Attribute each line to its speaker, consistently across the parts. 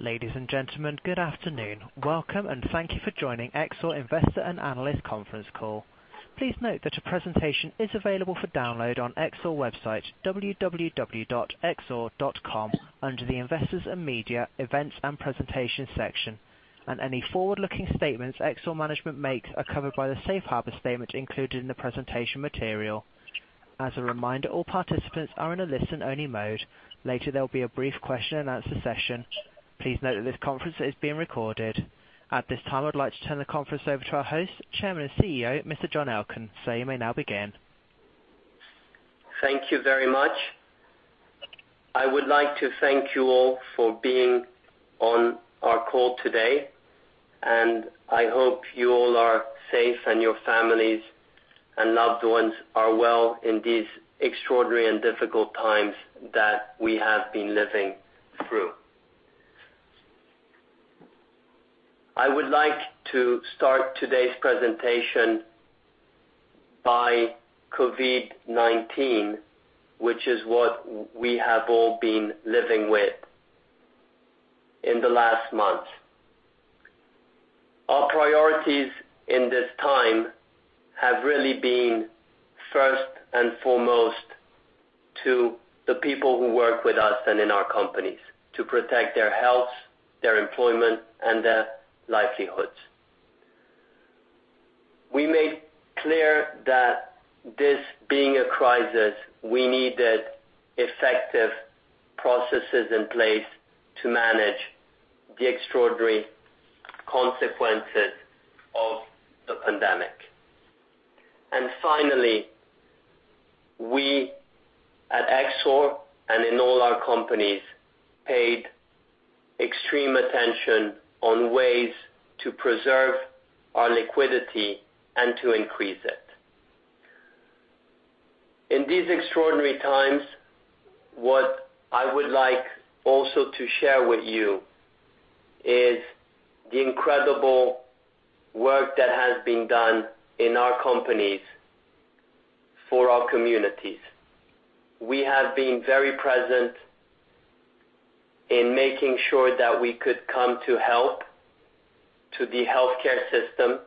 Speaker 1: Ladies and gentlemen, good afternoon. Welcome and thank you for joining Exor Investor and Analyst Conference Call. Please note that a presentation is available for download on Exor website www.exor.com under the Investors and Media Events and Presentation section. Any forward-looking statements Exor management makes are covered by the safe harbor statement included in the presentation material. As a reminder, all participants are in a listen-only mode. Later, there'll be a brief question and answer session. Please note that this conference is being recorded. At this time, I'd like to turn the conference over to our host, Chairman and CEO, Mr. John Elkann. Sir, you may now begin.
Speaker 2: Thank you very much. I would like to thank you all for being on our call today, and I hope you all are safe and your families and loved ones are well in these extraordinary and difficult times that we have been living through. I would like to start today's presentation by COVID-19, which is what we have all been living with in the last month. Our priorities in this time have really been first and foremost to the people who work with us and in our companies to protect their health, their employment, and their livelihoods. We made clear that this being a crisis, we needed effective processes in place to manage the extraordinary consequences of the pandemic. Finally, we, at Exor and in all our companies, paid extreme attention on ways to preserve our liquidity and to increase it. In these extraordinary times, what I would like also to share with you is the incredible work that has been done in our companies for our communities. We have been very present in making sure that we could come to help to the healthcare system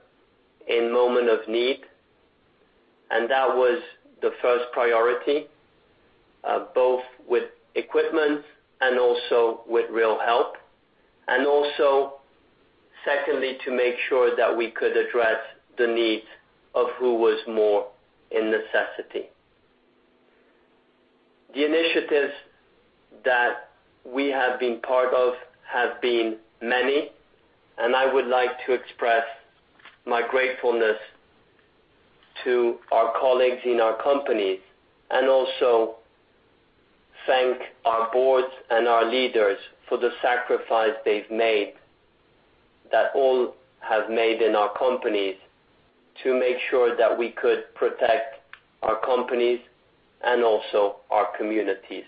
Speaker 2: in moment of need, and that was the first priority, both with equipment and also with real help. Also, secondly, to make sure that we could address the needs of who was more in necessity. The initiatives that we have been part of have been many, and I would like to express my gratefulness to our colleagues in our companies, and also thank our boards and our leaders for the sacrifice they've made, that all have made in our companies to make sure that we could protect our companies and also our communities.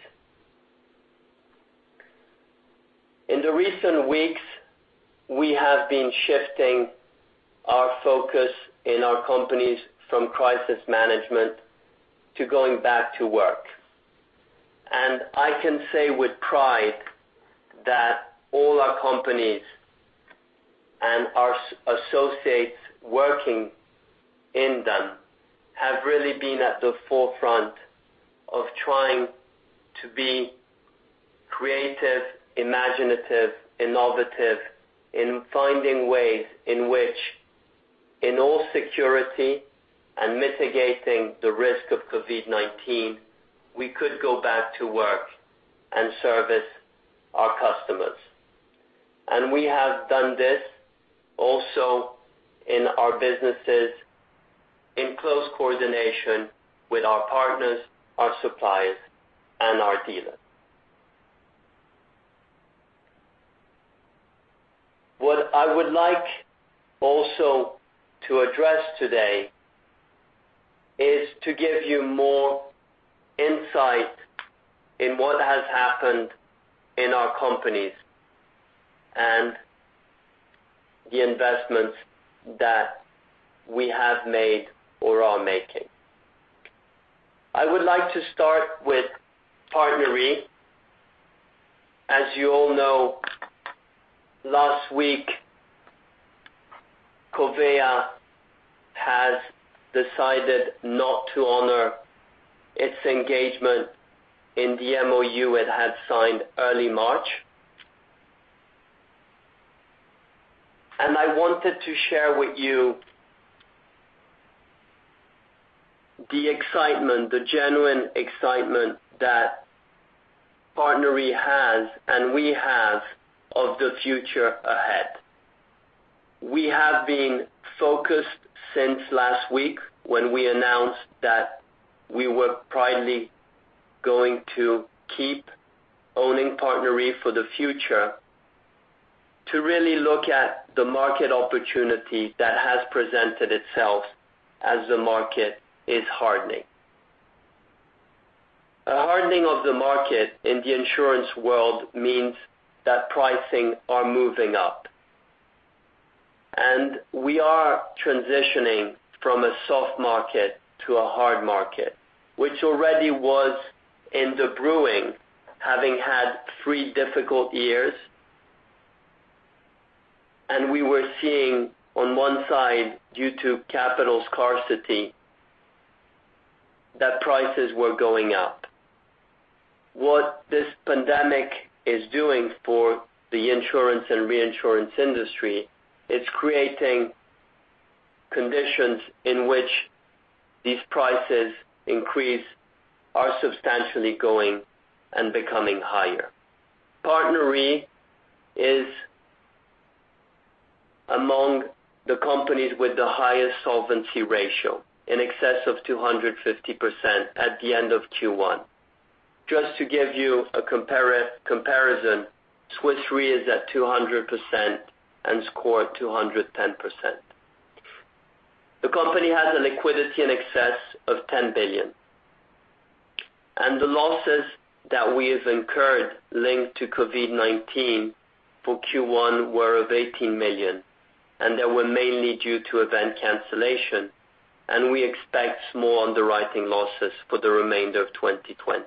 Speaker 2: In the recent weeks, we have been shifting our focus in our companies from crisis management to going back to work. I can say with pride that all our companies and our associates working in them have really been at the forefront of trying to be creative, imaginative, innovative in finding ways in which in all security and mitigating the risk of COVID-19, we could go back to work and service our customers. We have done this also in our businesses in close coordination with our partners, our suppliers, and our dealers. What I would like also to address today is to give you more insight in what has happened in our companies and the investments that we have made or are making. I would like to start with PartnerRe. As you all know, last week, Covéa has decided not to honor its engagement in the MOU it had signed early March. I wanted to share with you the excitement, the genuine excitement that PartnerRe has and we have of the future ahead. We have been focused since last week when we announced that we were proudly going to keep owning PartnerRe for the future to really look at the market opportunity that has presented itself as the market is hardening. A hardening of the market in the insurance world means that pricing are moving up. We are transitioning from a soft market to a hard market, which already was in the brewing, having had three difficult years. We were seeing on one side, due to capital scarcity, that prices were going up. What this pandemic is doing for the insurance and reinsurance industry, it's creating conditions in which these price increases are substantially going and becoming higher. PartnerRe is among the companies with the highest solvency ratio, in excess of 250% at the end of Q1. Just to give you a comparison, Swiss Re is at 200% and SCOR at 210%. The company has a liquidity in excess of $10 billion. The losses that we have incurred linked to COVID-19 for Q1 were $18 million, and they were mainly due to event cancellation, and we expect small underwriting losses for the remainder of 2020.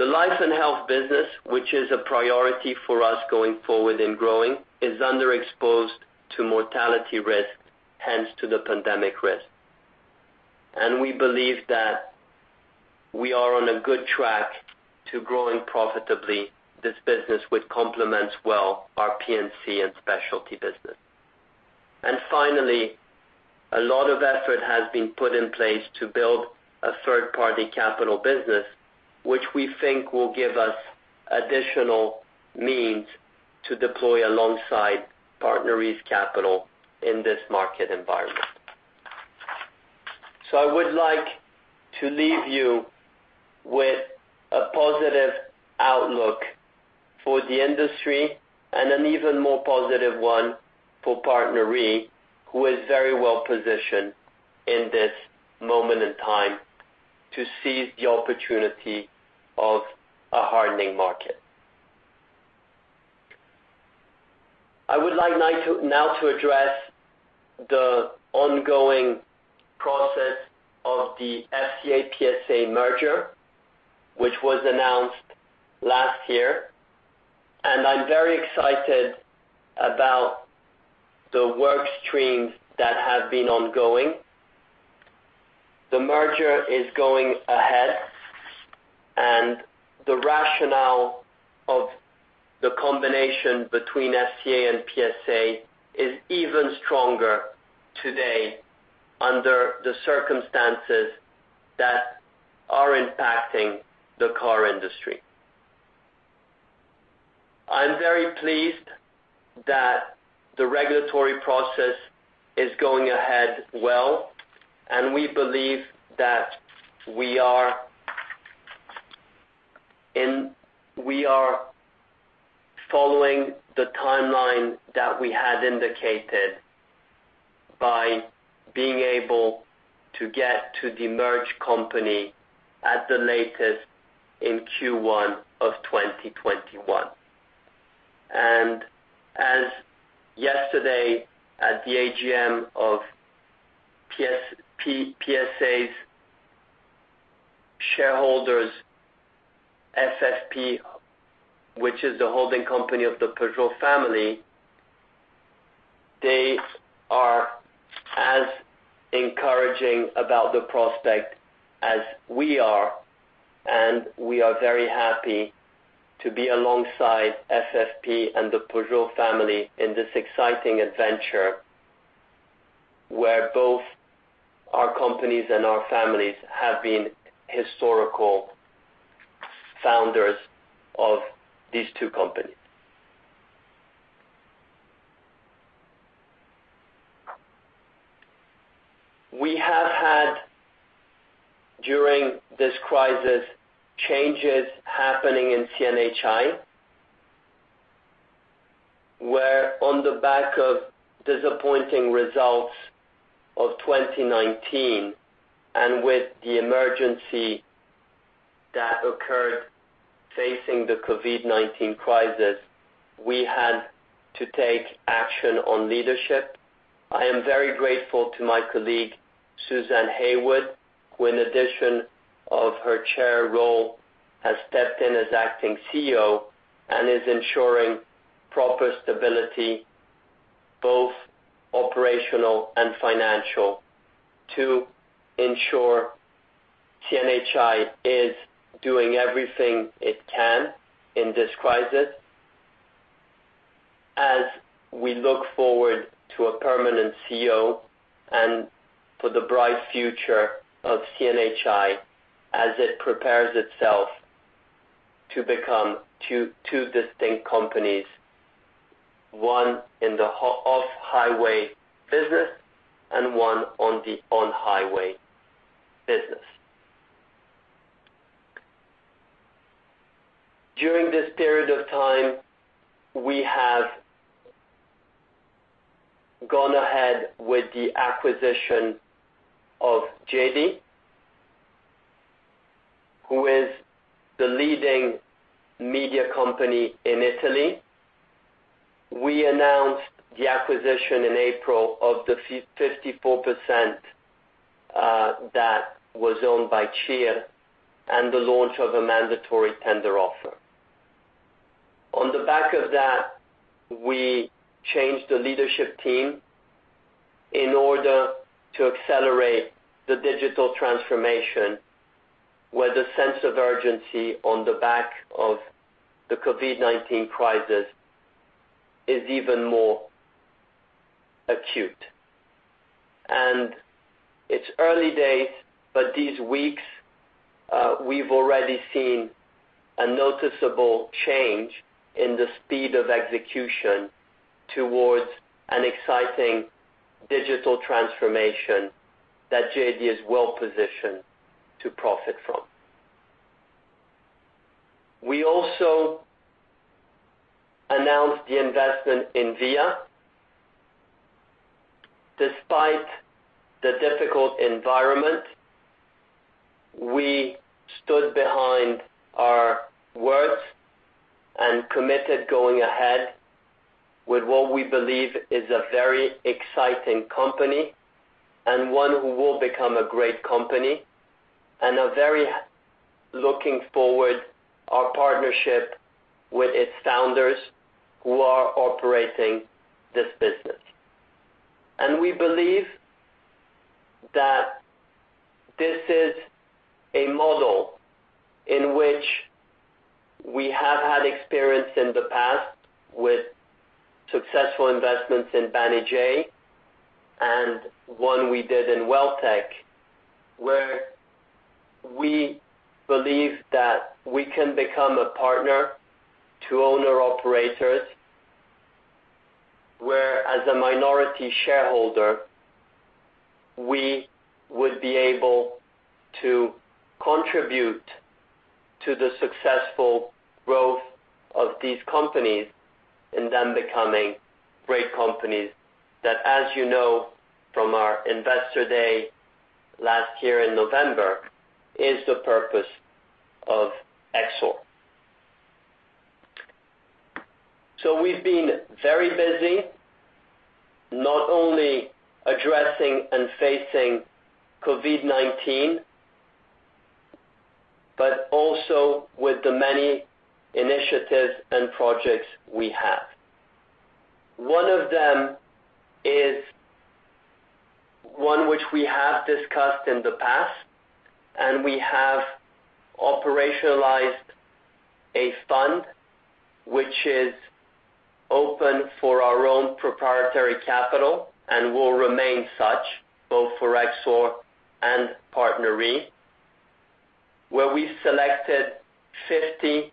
Speaker 2: The life and health business, which is a priority for us going forward and growing, is underexposed to mortality risk, hence to the pandemic risk. We believe that we are on a good track to growing profitably this business, which complements well our P&C and specialty business. Finally, a lot of effort has been put in place to build a third-party capital business, which we think will give us additional means to deploy alongside PartnerRe's capital in this market environment. I would like to leave you with a positive outlook for the industry and an even more positive one for PartnerRe, who is very well-positioned in this moment in time to seize the opportunity of a hardening market. I would like now to address the ongoing process of the FCA PSA merger, which was announced last year. I'm very excited about the work streams that have been ongoing. The merger is going ahead, and the rationale of the combination between FCA and PSA is even stronger today under the circumstances that are impacting the car industry. I'm very pleased that the regulatory process is going ahead well, and we believe that we are following the timeline that we had indicated by being able to get to the merged company at the latest in Q1 of 2021. As yesterday at the AGM of PSA's shareholders, FFP, which is the holding company of the Peugeot family, they are as encouraging about the prospect as we are, and we are very happy to be alongside FFP and the Peugeot family in this exciting adventure, where both our companies and our families have been historical founders of these two companies. We have had, during this crisis, changes happening in CNHI, where on the back of disappointing results of 2019 and with the emergency that occurred facing the COVID-19 crisis, we had to take action on leadership. I am very grateful to my colleague, Suzanne Heywood, who in addition to her chair role has stepped in as acting CEO and is ensuring proper stability, both operational and financial, to ensure CNHI is doing everything it can in this crisis. As we look forward to a permanent CEO and for the bright future of CNHI as it prepares itself to become two distinct companies, one in the off-highway business and one in the on-highway business. During this period of time, we have gone ahead with the acquisition of GEDI, which is the leading media company in Italy. We announced the acquisition in April of the 54%, that was owned by CIR and the launch of a mandatory tender offer. On the back of that, we changed the leadership team in order to accelerate the digital transformation, where the sense of urgency on the back of the COVID-19 crisis is even more acute. It's early days, but these weeks, we've already seen a noticeable change in the speed of execution towards an exciting digital transformation that GEDI is well-positioned to profit from. We also announced the investment in Via. Despite the difficult environment, we stood behind our words and committed going ahead with what we believe is a very exciting company and one who will become a great company and are very looking forward our partnership with its founders who are operating this business. We believe that this is a model in which we have had experience in the past with successful investments in Banijay and one we did in Welltec, where we believe that we can become a partner to owner-operators, where as a minority shareholder, we would be able to contribute to the successful growth of these companies and then becoming great companies that, as you know from our investor day last year in November, is the purpose of Exor. We've been very busy not only addressing and facing COVID-19, but also with the many initiatives and projects we have. One of them is one which we have discussed in the past, and we have operationalized a fund which is open for our own proprietary capital and will remain such, both for Exor and PartnerRe, where we selected 50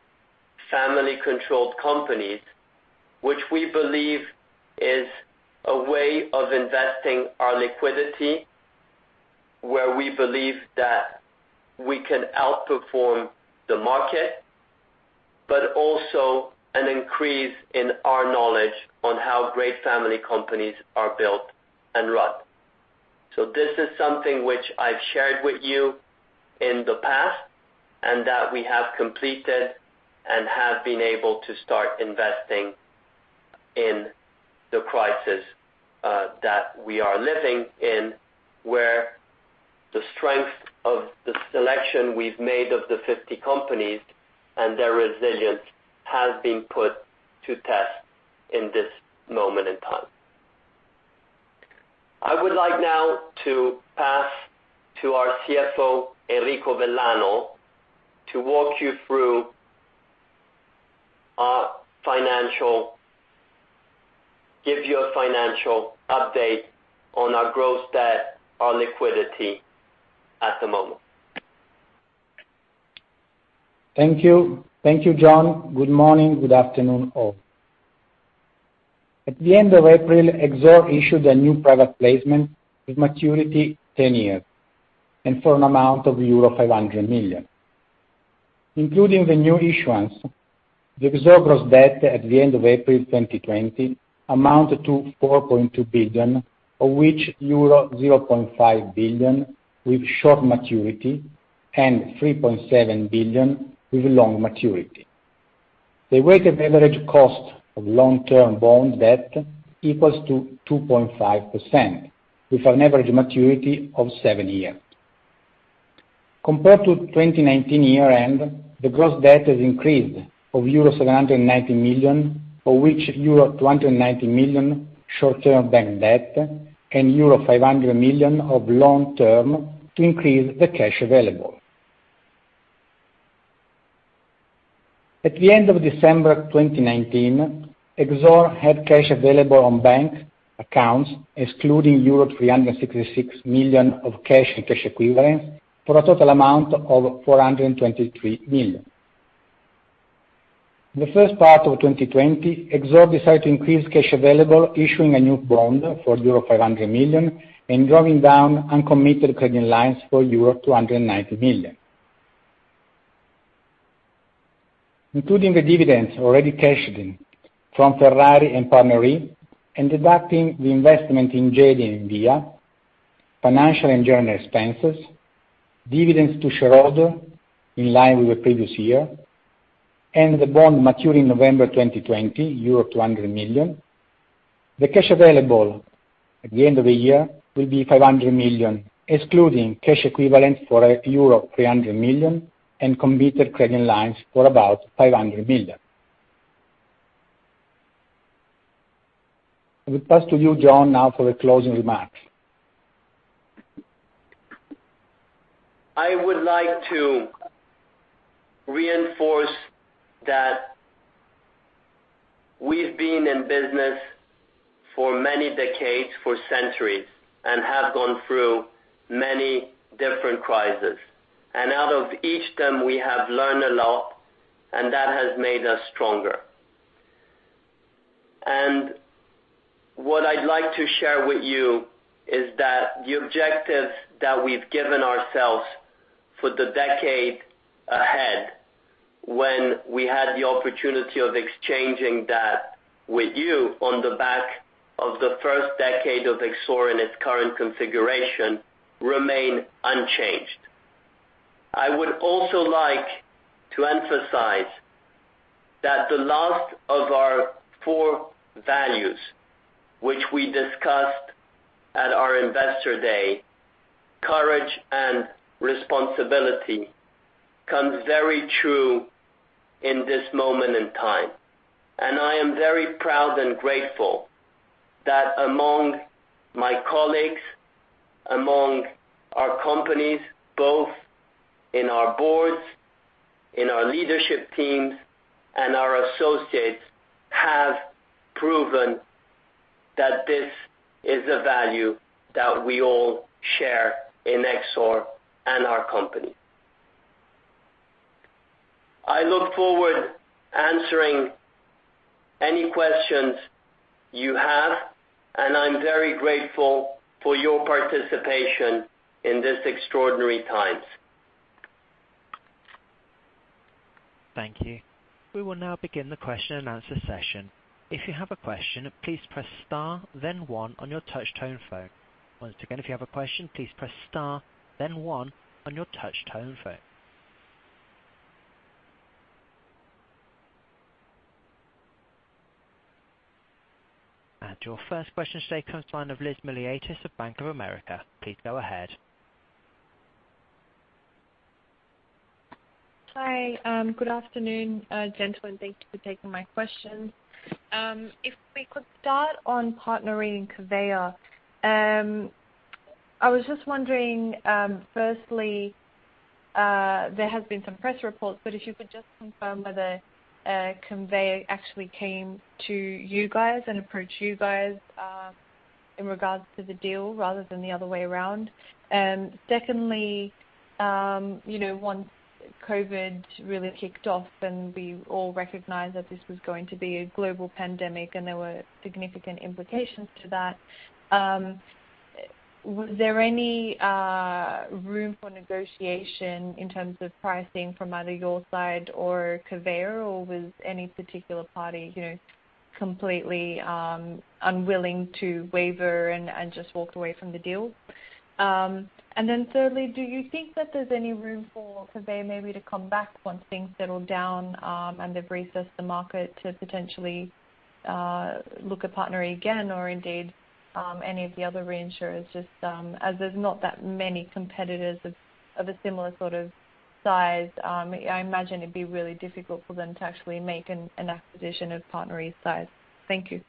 Speaker 2: family-controlled companies, which we believe is a way of investing our liquidity, where we believe that we can outperform the market, but also an increase in our knowledge on how great family companies are built and run. This is something which I've shared with you in the past and that we have completed and have been able to start investing in the crisis that we are living in, where the strength of the selection we've made of the 50 companies and their resilience has been put to test in this moment in time. I would like now to pass to our CFO, Enrico Vellano, to give you a financial update on our gross debt, our liquidity at the moment.
Speaker 3: Thank you. Thank you, John. Good morning. Good afternoon, all. At the end of April, Exor issued a new private placement with maturity 10 years and for an amount of euro 500 million. Including the new issuance, the Exor gross debt at the end of April 2020 amounted to 4.2 billion, of which euro 0.5 billion with short maturity and 3.7 billion with long maturity. The weighted average cost of long-term bond debt equals to 2.5%, with an average maturity of seven years. Compared to 2019 year-end, the gross debt has increased of euro 790 million, of which euro 290 million short-term bank debt and euro 500 million of long-term to increase the cash available. At the end of December 2019, Exor had cash available on bank accounts, excluding euro 366 million of cash and cash equivalents, for a total amount of 423 million. The first part of 2020, Exor decided to increase cash available, issuing a new bond for euro 500 million and drawing down uncommitted credit lines for euro 290 million. Including the dividends already cashed in from Ferrari and PartnerRe and deducting the investment in JD and VIA, financial engineering expenses, dividends to shareholder in line with the previous year, and the bond maturing November 2020, euro 200 million, the cash available at the end of the year will be 500 million, excluding cash equivalents of euro 300 million and committed credit lines for about 500 million. I will pass to you, John, now for the closing remarks.
Speaker 2: I would like to reinforce that we've been in business for many decades, for centuries, and have gone through many different crises. Out of each of them, we have learned a lot, and that has made us stronger. What I'd like to share with you is that the objectives that we've given ourselves for the decade ahead when we had the opportunity of exchanging that with you on the back of the first decade of Exor in its current configuration remain unchanged. I would also like to emphasize that the last of our four values, which we discussed at our Investor Day, courage and responsibility, comes very true in this moment in time. I am very proud and grateful that among my colleagues, among our companies, both in our boards, in our leadership teams, and our associates, have proven that this is a value that we all share in Exor and our company. I look forward answering any questions you have, and I'm very grateful for your participation in this extraordinary times.
Speaker 1: Thank you. We will now begin the question-and-answer session. Your first question today comes from Liz Miliotis of Bank of America. Please go ahead.
Speaker 4: Hi. Good afternoon, gentlemen. Thank you for taking my questions. If we could start on PartnerRe and Covéa. I was just wondering, firstly, there has been some press reports, but if you could just confirm whether, Covéa actually came to you guys and approached you guys, in regards to the deal rather than the other way around. Secondly, you know, once COVID really kicked off and we all recognized that this was going to be a global pandemic and there were significant implications to that, was there any room for negotiation in terms of pricing from either your side or Covéa or was any particular party, you know, completely unwilling to waver and just walked away from the deal? Thirdly, do you think that there's any room for Covéa maybe to come back once things settle down, and they've reassessed the market to potentially look at PartnerRe again or indeed any of the other reinsurers just as there's not that many competitors of a similar sort of size? I imagine it'd be really difficult for them to actually make an acquisition of PartnerRe's size. Thank you.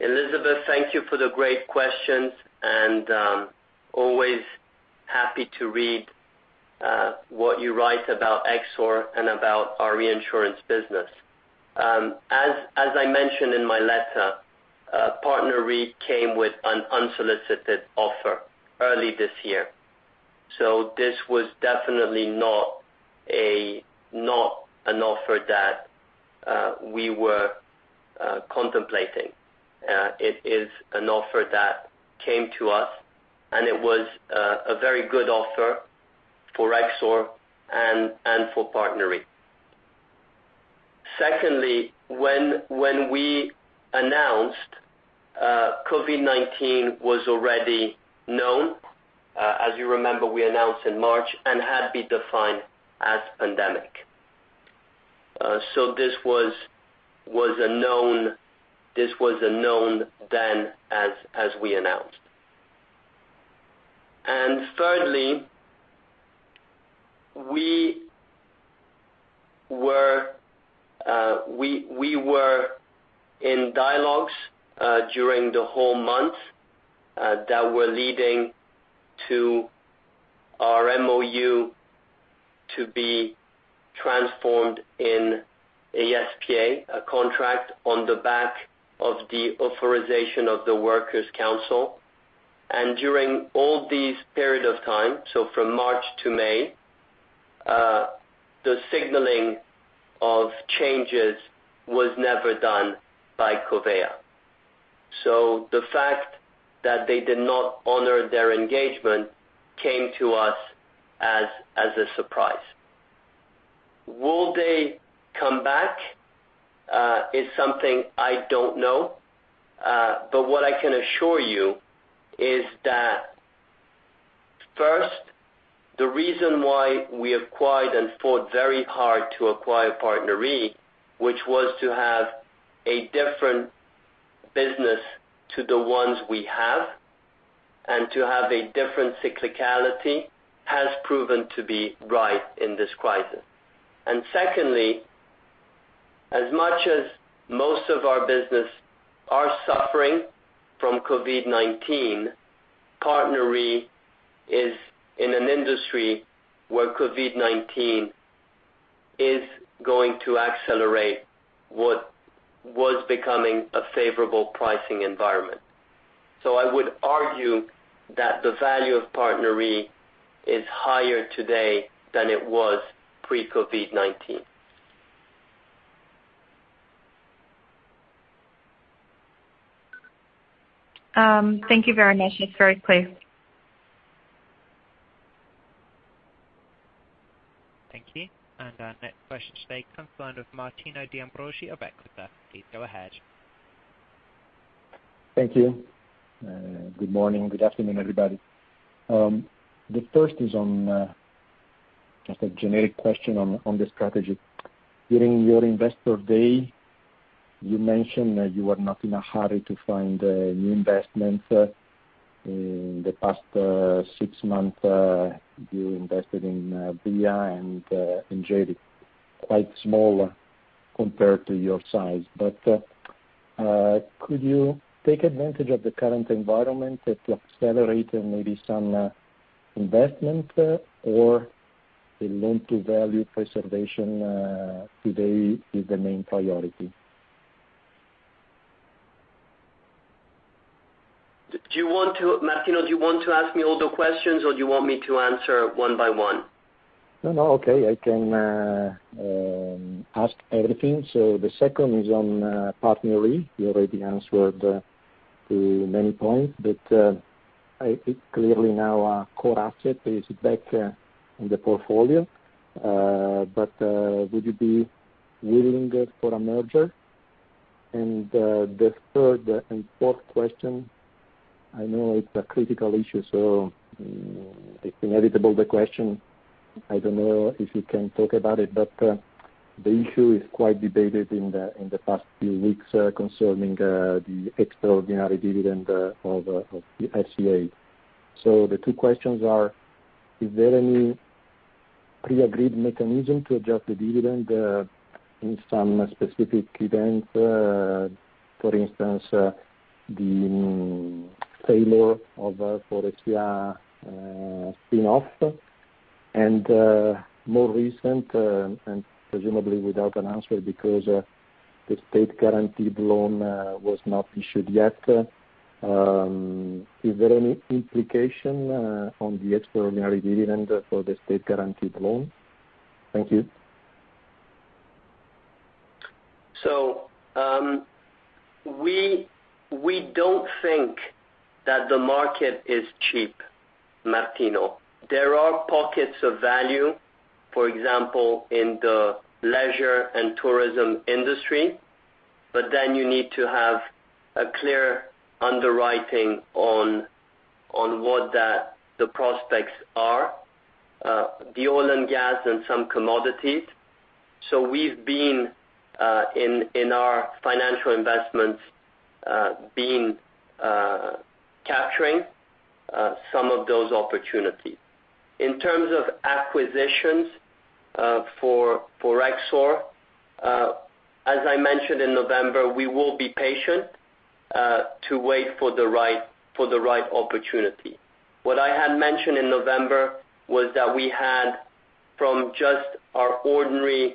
Speaker 2: Elizabeth, thank you for the great questions and always happy to read what you write about Exor and about our reinsurance business. As I mentioned in my letter, PartnerRe came with an unsolicited offer early this year, so this was definitely not an offer that we were contemplating. It is an offer that came to us, and it was a very good offer for Exor and for PartnerRe. Secondly, when we announced, COVID-19 was already known, as you remember, we announced in March and had been defined as pandemic. So this was a known then as we announced. Thirdly, we were in dialogues during the whole month that were leading to our MOU to be transformed in a SPA, a contract on the back of the authorization of the Workers Council. During all this period of time, so from March to May, the signaling of changes was never done by Covéa. The fact that they did not honor their engagement came to us as a surprise. Will they come back? Is something I don't know. But what I can assure you is that, first, the reason why we acquired and fought very hard to acquire PartnerRe, which was to have a different business to the ones we have and to have a different cyclicality, has proven to be right in this crisis. Secondly, as much as most of our business are suffering from COVID-19, PartnerRe is in an industry where COVID-19 is going to accelerate what was becoming a favorable pricing environment. I would argue that the value of PartnerRe is higher today than it was pre-COVID-19.
Speaker 4: Thank you very much. It's very clear.
Speaker 1: Thank you. Our next question today comes from Martino De Ambroggi of Equita. Please go ahead.
Speaker 5: Thank you. Good afternoon, everybody. The first is on just a generic question on the strategy. During your investor day, you mentioned that you are not in a hurry to find new investments. In the past six months, you invested in VIA and in JD, quite small compared to your size. Could you take advantage of the current environment to accelerate maybe some investment or the loan to value preservation today is the main priority?
Speaker 2: Martino, do you want to ask me all the questions or do you want me to answer one by one?
Speaker 5: No, no. Okay. I can ask everything. The second is on PartnerRe. You already answered to many points, but it clearly now our core asset is back in the portfolio. But would you be willing for a merger? The third and fourth question, I know it's a critical issue, so it's inevitable the question, I don't know if you can talk about it, but the issue is quite debated in the past few weeks concerning the extraordinary dividend of the FCA. The two questions are, is there any pre-agreed mechanism to adjust the dividend in some specific events, for instance, the failure of the FCA spin-off? More recent, and presumably without an answer because the state-guaranteed loan was not issued yet. Is there any implication on the extraordinary dividend for the state guaranteed loan? Thank you.
Speaker 2: We don't think that the market is cheap, Martino. There are pockets of value, for example, in the leisure and tourism industry, but then you need to have a clear underwriting on what the prospects are, the oil and gas and some commodities. We've been in our financial investments capturing some of those opportunities. In terms of acquisitions, for Exor, as I mentioned in November, we will be patient to wait for the right opportunity. What I had mentioned in November was that we had from just our ordinary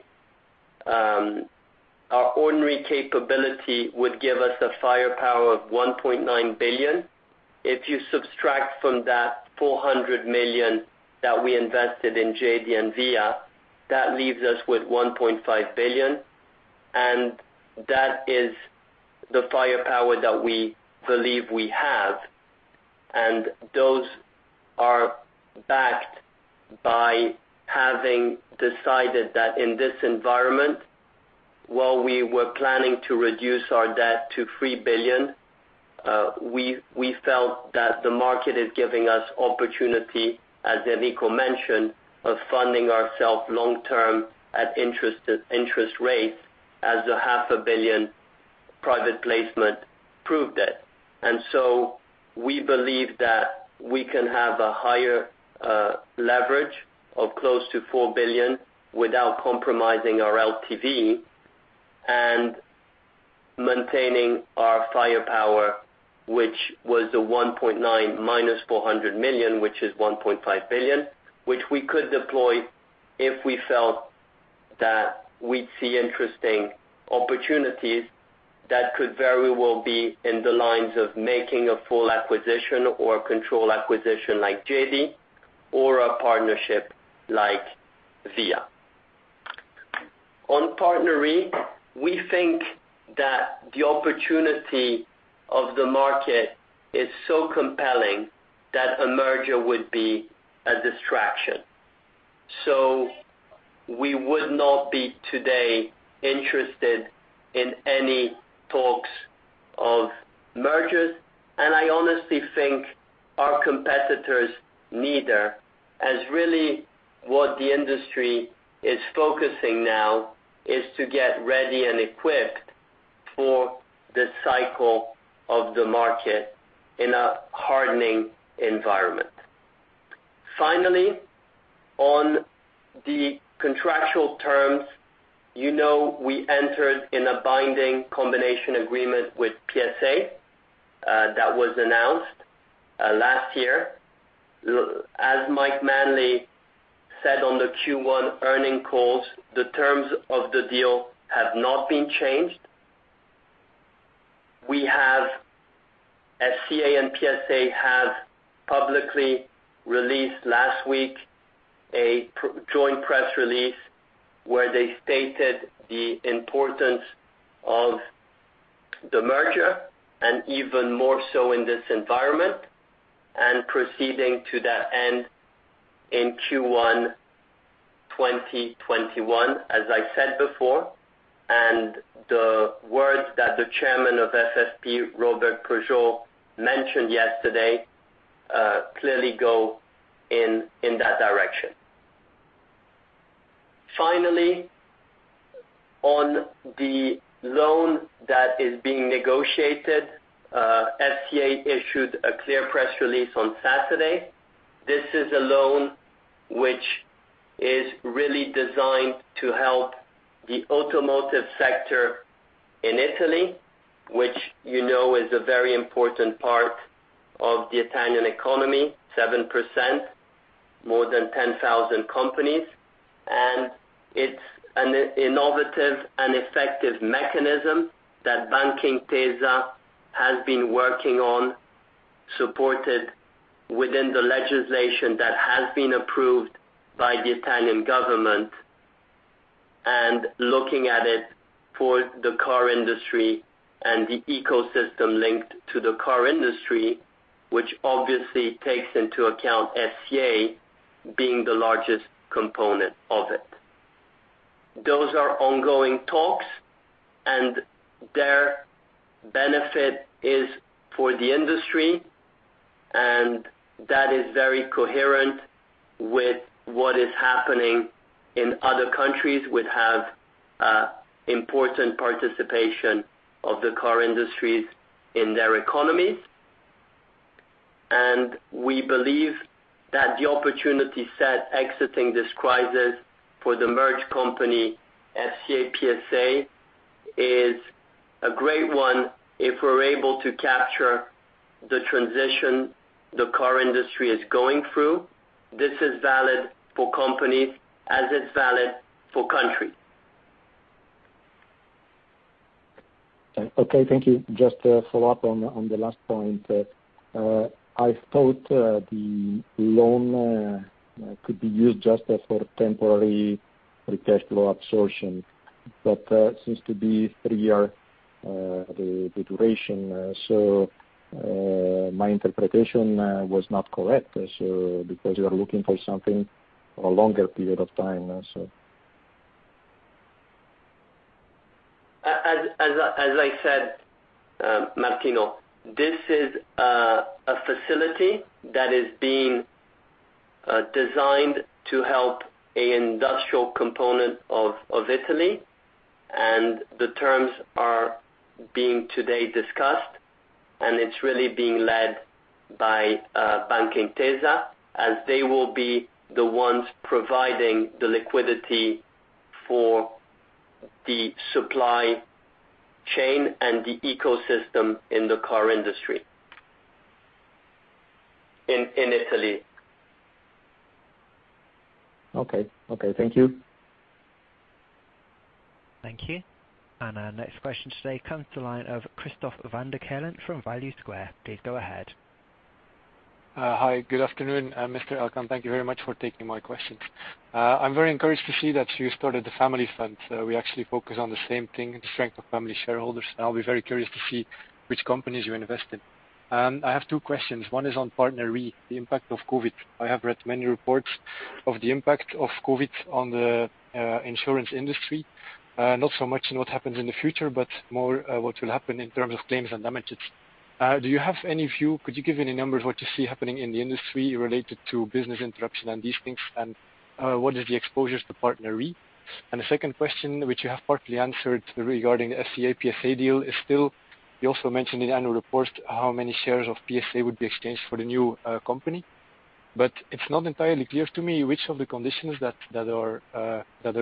Speaker 2: capability would give us a firepower of 1.9 billion. If you subtract from that 400 million that we invested in JD and VIA, that leaves us with 1.5 billion, and that is the firepower that we believe we have. Those are backed by having decided that in this environment, while we were planning to reduce our debt to 3 billion, we felt that the market is giving us opportunity, as Enrico mentioned, of funding ourselves long-term at interest rates as a half a billion private placement proved it. We believe that we can have a higher leverage of close to 4 billion without compromising our LTV and maintaining our firepower, which was the 1.9 billion - 400 million, which is 1.5 billion, which we could deploy if we felt that we'd see interesting opportunities that could very well be in the lines of making a full acquisition or a control acquisition like JD or a partnership like VIA. On PartnerRe, we think that the opportunity of the market is so compelling that a merger would be a distraction. We would not be today interested in any talks of mergers, and I honestly think our competitors neither. As really what the industry is focusing now is to get ready and equipped for the cycle of the market in a hardening environment. Finally, on the contractual terms, you know we entered in a binding combination agreement with PSA that was announced last year. As Mike Manley said on the Q1 earnings call, the terms of the deal have not been changed. FCA and PSA have publicly released last week a joint press release where they stated the importance of the merger, and even more so in this environment, and proceeding to that end in Q1 2021, as I said before, and the words that the chairman of FFP, Robert Peugeot, mentioned yesterday clearly go in that direction. Finally, on the loan that is being negotiated, FCA issued a clear press release on Saturday. This is a loan which is really designed to help the automotive sector in Italy, which, you know, is a very important part of the Italian economy, 7%, more than 10,000 companies. It's an innovative and effective mechanism that Banca Intesa has been working on, supported within the legislation that has been approved by the Italian government. Looking at it for the car industry and the ecosystem linked to the car industry, which obviously takes into account FCA being the largest component of it. Those are ongoing talks, and their benefit is for the industry, and that is very coherent with what is happening in other countries which have important participation of the car industries in their economies. We believe that the opportunity set exiting this crisis for the merged company, FCA PSA, is a great one if we're able to capture the transition the car industry is going through. This is valid for companies as it's valid for countries.
Speaker 5: Okay, thank you. Just to follow up on the last point. I thought the loan could be used just for temporary cash flow absorption, but seems to be three year the duration. My interpretation was not correct, so because you are looking for something for a longer period of time, so.
Speaker 2: As I said, Martino, this is a facility that is being designed to help industrial component of Italy, and the terms are being discussed today, and it's really being led by Banca Intesa, as they will be the ones providing the liquidity for the supply chain and the ecosystem in the car industry in Italy.
Speaker 5: Okay. Okay, thank you.
Speaker 1: Thank you. Our next question today comes to the line of Kristof Vande Capelle from Value Square. Please go ahead.
Speaker 6: Hi. Good afternoon, Mr. Elkann. Thank you very much for taking my questions. I'm very encouraged to see that you started the Family Fund. We actually focus on the same thing, the strength of family shareholders, and I'll be very curious to see which companies you invest in. I have two questions. One is on PartnerRe, the impact of COVID. I have read many reports of the impact of COVID on the insurance industry. Not so much on what happens in the future, but more what will happen in terms of claims and damages. Do you have any view? Could you give any numbers what you see happening in the industry related to business interruption and these things? What is the exposures to PartnerRe? The second question, which you have partly answered regarding the FCA PSA deal is still, you also mentioned in the annual report how many shares of PSA would be exchanged for the new company. It's not entirely clear to me which of the conditions that are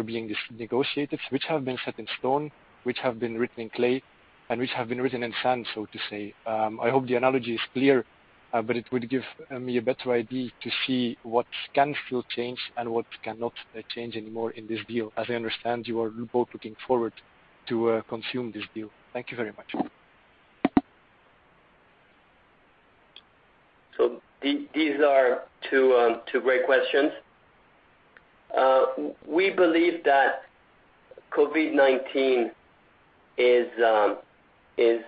Speaker 6: being renegotiated, which have been set in stone, which have been written in clay, and which have been written in sand, so to say. I hope the analogy is clear, but it would give me a better idea to see what can still change and what cannot change anymore in this deal. As I understand, you are both looking forward to consummate this deal. Thank you very much.
Speaker 2: These are two great questions. We believe that COVID-19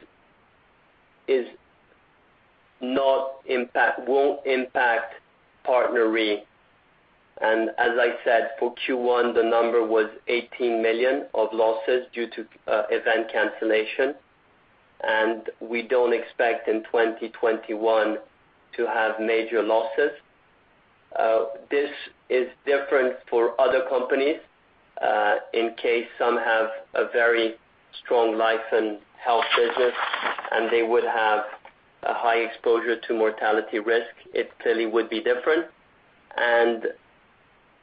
Speaker 2: won't impact PartnerRe. As I said, for Q1, the number was 18 million of losses due to event cancellation, and we don't expect in 2021 to have major losses. This is different for other companies. In case some have a very strong life and health business, and they would have a high exposure to mortality risk, it clearly would be different.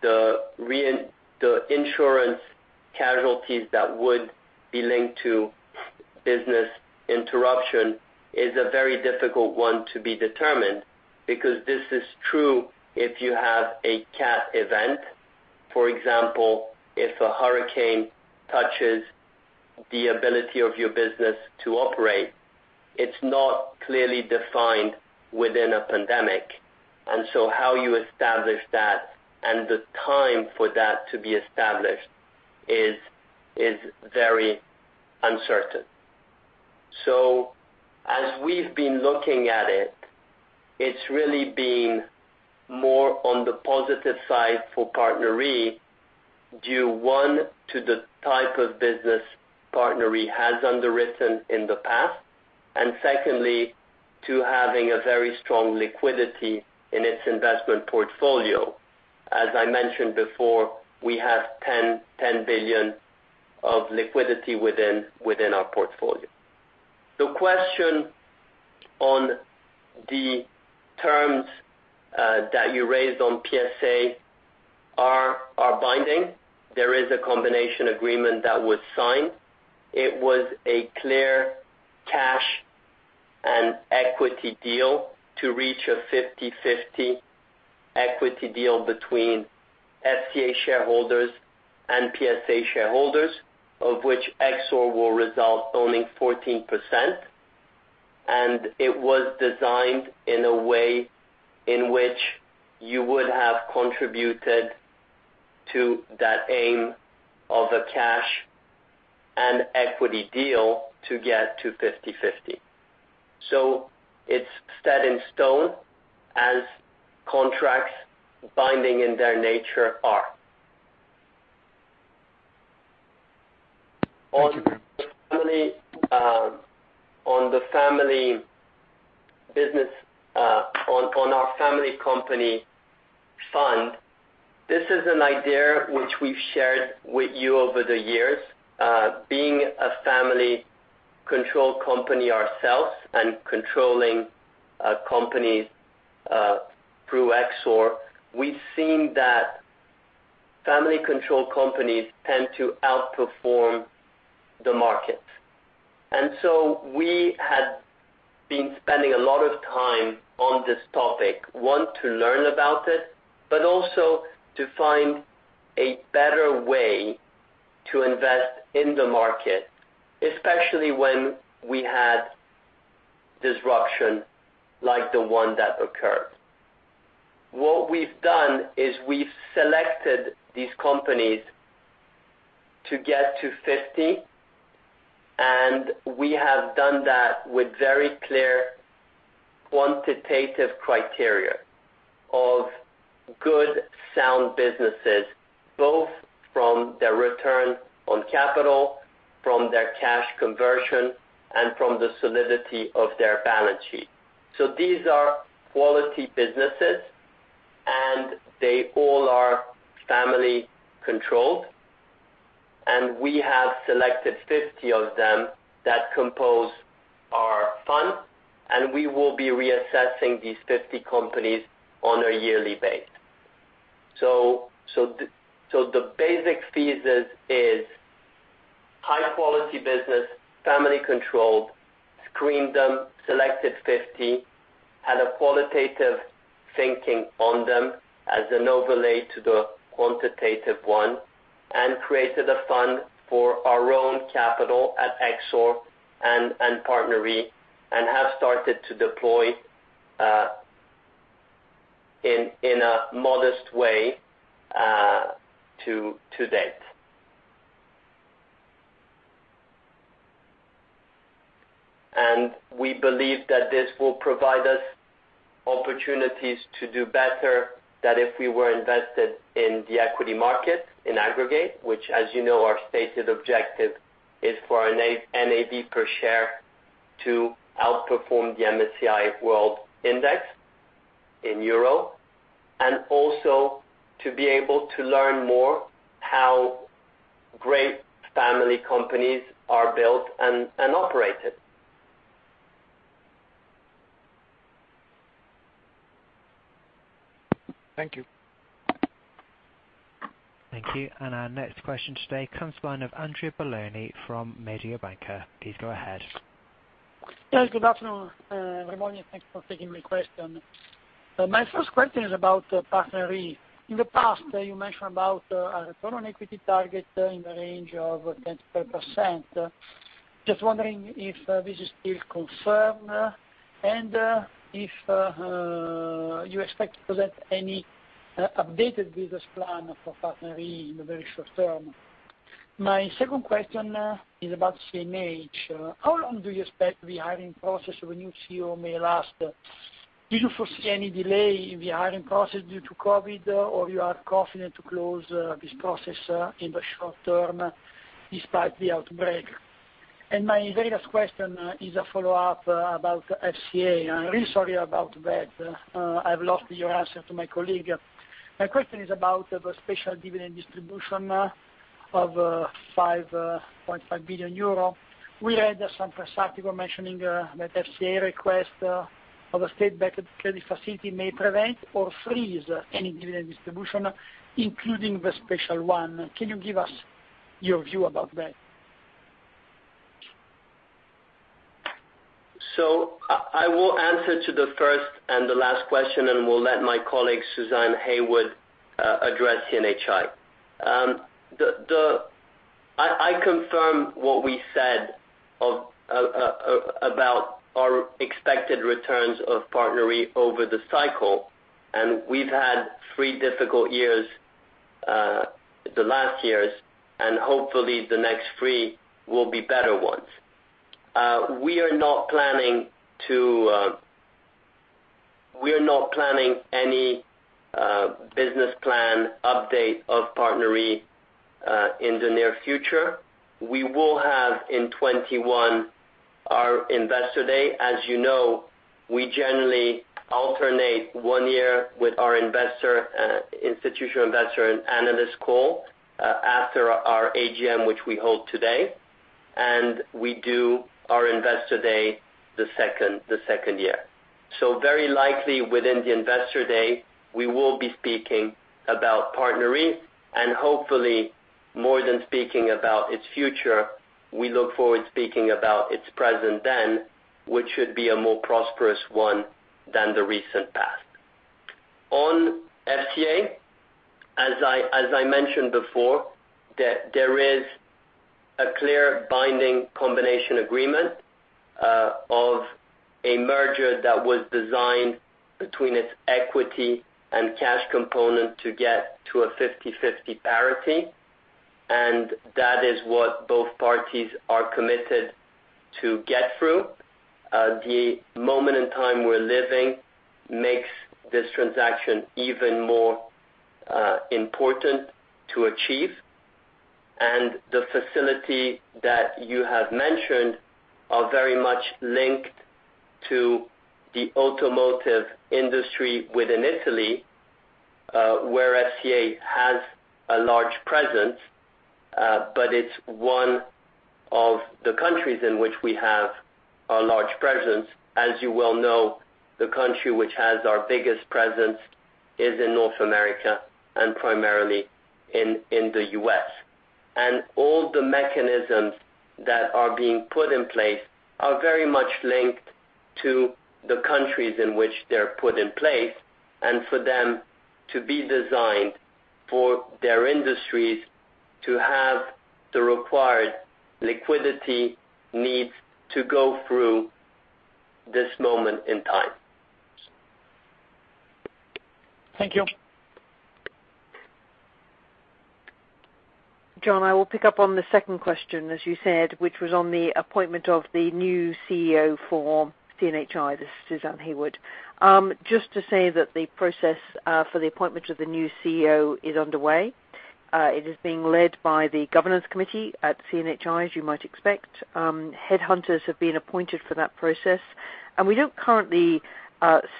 Speaker 2: The reinsurance casualty that would be linked to business interruption is a very difficult one to be determined because this is true if you have a cat event. For example, if a hurricane touches the ability of your business to operate, it's not clearly defined within a pandemic. How you establish that and the time for that to be established is very uncertain. As we've been looking at it's really been more on the positive side for PartnerRe due, one, to the type of business PartnerRe has underwritten in the past, and secondly, to having a very strong liquidity in its investment portfolio. As I mentioned before, we have 10 billion of liquidity within our portfolio. The question on the terms that you raised on PSA are binding. There is a combination agreement that was signed. It was a clear cash and equity deal to reach a 50/50 equity deal between FCA shareholders and PSA shareholders, of which Exor will result owning 14%. It was designed in a way in which you would have contributed to that aim of a cash and equity deal to get to 50/50. It's set in stone as contracts binding in their nature are.
Speaker 6: Thank you.
Speaker 2: On the family business, on our family company fund, this is an idea which we've shared with you over the years. Being a family-controlled company ourselves and controlling companies through Exor, we've seen that family-controlled companies tend to outperform the market. We had been spending a lot of time on this topic, one, to learn about it, but also to find a better way to invest in the market, especially when we had disruption like the one that occurred. What we've done is we've selected these companies to get to 50, and we have done that with very clear quantitative criteria of good, sound businesses, both from their return on capital, from their cash conversion, and from the solidity of their balance sheet. These are quality businesses, and they all are family-controlled, and we have selected 50 of them that compose our fund, and we will be reassessing these 50 companies on a yearly basis. The basic thesis is high quality business, family-controlled, screened them, selected 50, had a qualitative thinking on them as an overlay to the quantitative one, and created a fund for our own capital at Exor and PartnerRe, and have started to deploy in a modest way to date. We believe that this will provide us opportunities to do better than if we were invested in the equity market in aggregate, which as you know, our stated objective is for an annual NAV per share to outperform the MSCI World Index in euro, and also to be able to learn more how great family companies are built and operated.
Speaker 6: Thank you.
Speaker 1: Thank you. Our next question today comes from the line of Andrea Balloni from Mediobanca. Please go ahead.
Speaker 7: Yeah. Good afternoon. Yeah, thanks for taking my question. My first question is about the PartnerRe. In the past, you mentioned about a return on equity target in the range of 10%. Just wondering if this is still confirmed, and if you expect to present any updated business plan for PartnerRe in the very short term. My second question is about CNHI. How long do you expect the hiring process of a new CEO may last? Do you foresee any delay in the hiring process due to COVID, or you are confident to close this process in the short term despite the outbreak? My very last question is a follow-up about FCA. I'm really sorry about that. I've lost your answer to my colleague. My question is about the special dividend distribution of 5.5 billion euro. We read some press article mentioning that FCA request of a state-backed credit facility may prevent or freeze any dividend distribution, including the special one. Can you give us your view about that?
Speaker 2: I will answer to the first and the last question, and we'll let my colleague Suzanne Heywood address CNHI. I confirm what we said about our expected returns of PartnerRe over the cycle, and we've had three difficult years, the last years, and hopefully the next three will be better ones. We are not planning any business plan update of PartnerRe in the near future. We will have in 2021 our Investor Day. As you know, we generally alternate one year with our investor, institutional investor and analyst call after our AGM, which we hold today. We do our Investor Day the second year. Very likely within the Investor Day, we will be speaking about PartnerRe. Hopefully more than speaking about its future, we look forward to speaking about its present then, which should be a more prosperous one than the recent past. On FCA, as I mentioned before, there is a clear binding combination agreement of a merger that was designed between its equity and cash component to get to a 50/50 parity, and that is what both parties are committed to get through. The moment in time we're living makes this transaction even more important to achieve. The facility that you have mentioned are very much linked to the automotive industry within Italy, where FCA has a large presence. But it's one of the countries in which we have a large presence. As you well know, the country which has our biggest presence is in North America and primarily in the U.S. All the mechanisms that are being put in place are very much linked to the countries in which they're put in place and for them to be designed for their industries to have the required liquidity needs to go through this moment in time.
Speaker 7: Thank you.
Speaker 8: John, I will pick up on the second question, as you said, which was on the appointment of the new CEO for CNHI. This is Suzanne Heywood. Just to say that the process for the appointment of the new CEO is underway. It is being led by the governance committee at CNHI, as you might expect. Headhunters have been appointed for that process, and we don't currently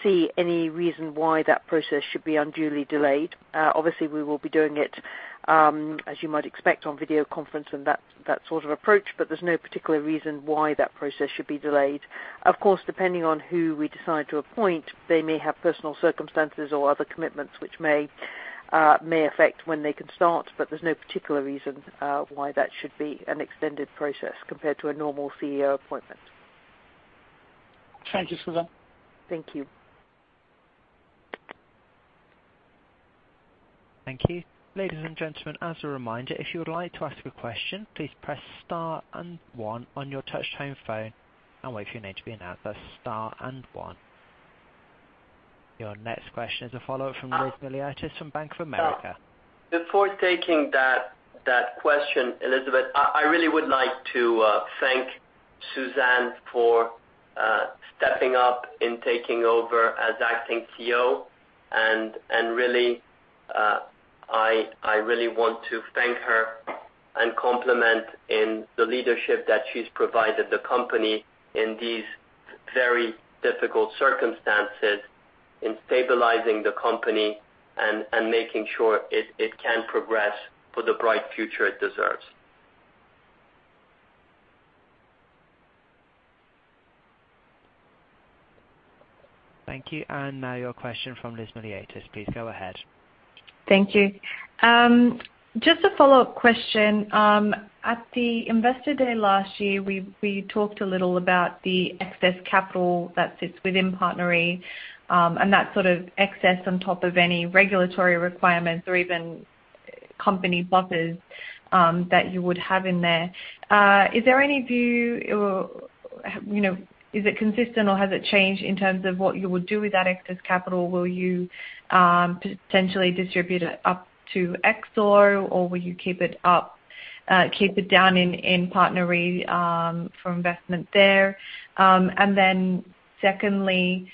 Speaker 8: see any reason why that process should be unduly delayed. Obviously, we will be doing it, as you might expect, on video conference and that sort of approach, but there's no particular reason why that process should be delayed. Of course, depending on who we decide to appoint, they may have personal circumstances or other commitments which may affect when they can start. There's no particular reason why that should be an extended process compared to a normal CEO appointment.
Speaker 7: Thank you, Suzanne.
Speaker 8: Thank you.
Speaker 1: Thank you. Ladies and gentlemen, as a reminder, if you would like to ask a question, please press star and one on your touchtone phone and wait for your name to be announced. That's star and one. Your next question is a follow-up from Liz Miliotis from Bank of America.
Speaker 2: Before taking that question, Liz, I really would like to thank Suzanne for stepping up and taking over as Acting CEO. I really want to thank her and comment on the leadership that she's provided the company in these very difficult circumstances, in stabilizing the company and making sure it can progress for the bright future it deserves.
Speaker 1: Thank you. Now your question from Liz Miliotis. Please go ahead.
Speaker 4: Thank you. Just a follow-up question. At the investor day last year, we talked a little about the excess capital that sits within PartnerRe, and that sort of excess on top of any regulatory requirements or even company buffers that you would have in there. Is there any view or, you know, is it consistent or has it changed in terms of what you would do with that excess capital? Will you potentially distribute it up to Exor, or will you keep it down in PartnerRe for investment there? And then secondly,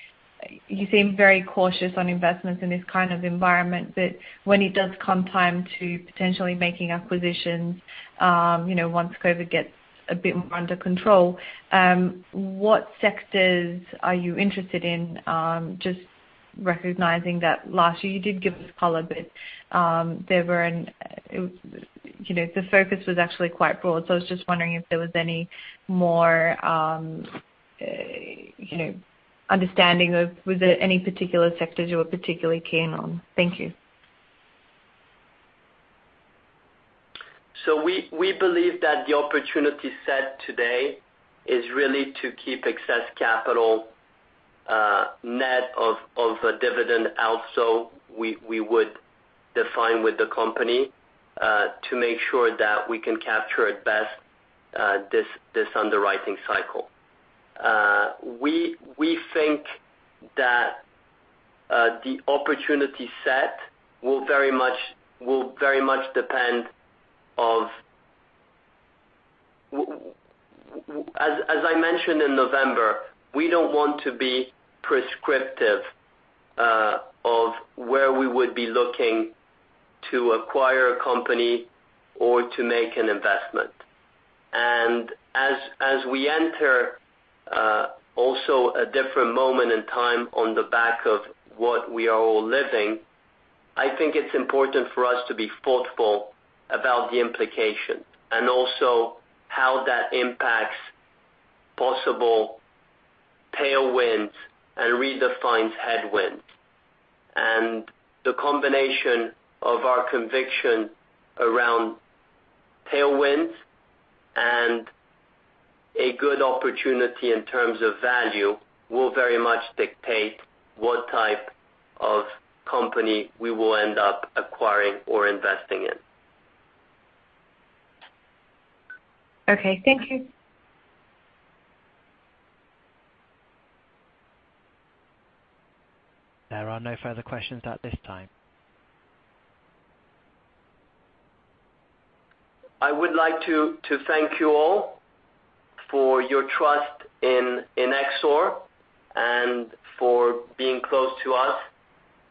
Speaker 4: you seem very cautious on investments in this kind of environment that when it does come time to potentially making acquisitions, you know, once COVID gets a bit more under control, what sectors are you interested in? Just recognizing that last year you did give us color, but there weren't, you know, the focus was actually quite broad, so I was just wondering if there was any more, you know, understanding of was there any particular sectors you were particularly keen on? Thank you.
Speaker 2: We believe that the opportunity set today is really to keep excess capital, net of a dividend also, we would define with the company, to make sure that we can capture at best, this underwriting cycle. We think that the opportunity set will very much depend on, as I mentioned in November, we don't want to be prescriptive, of where we would be looking to acquire a company or to make an investment. As we enter also a different moment in time on the back of what we are all living, I think it's important for us to be thoughtful about the implications and also how that impacts possible tailwinds and redefines headwinds. The combination of our conviction around tailwinds and a good opportunity in terms of value will very much dictate what type of company we will end up acquiring or investing in.
Speaker 4: Okay, thank you.
Speaker 1: There are no further questions at this time.
Speaker 2: I would like to thank you all for your trust in Exor and for being close to us.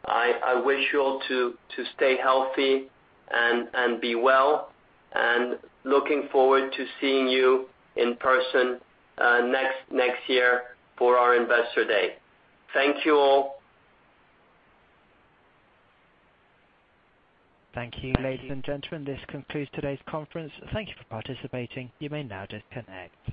Speaker 2: I wish you all to stay healthy and be well, and looking forward to seeing you in person next year for our investor day. Thank you all.
Speaker 1: Thank you. Ladies and gentlemen, this concludes today's conference. Thank you for participating. You may now disconnect.